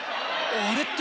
あれって。